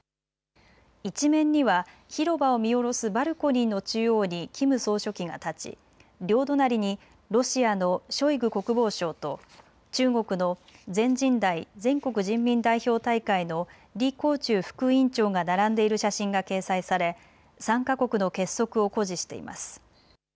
１面には広場を見下ろすバルコニーの中央にキム総書記が立ち、両隣にロシアのショイグ国防相と中国の全人代・全国人民代表大会の李鴻忠副委員長が並んでいる写真が掲載され３か国の結束を誇示しています。